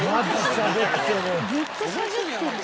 「ずっとしゃべってる」